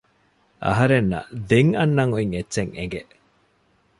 އަހަރެންނަށް ދެން އަންނަން އޮތް އެއްޗެއް އެނގެ